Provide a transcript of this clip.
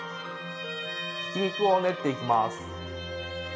ひき肉を練っていきます。